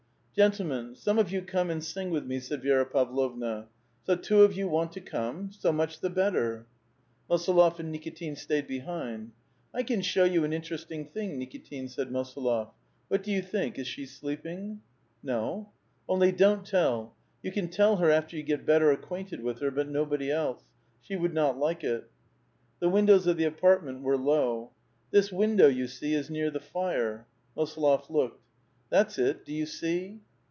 " Gentlemen, some of you come and sing with me," said Vi6ra Pavlovna. — "So two of vou want to come ? So much the better !" Mosolof and Nikitin staved behind. "I can show you an interesting thing, Nikitin," said Mosolof. —" What do you think — is she sleeping? " No.'' " Only don't tell! You can tell her after you get better acquainted with her ; but nobody else.* She would not like it. 99 99 The windows of the apartment were low. " This window, you see, is near the fire." Mosolof looked. "That's it; do you see?"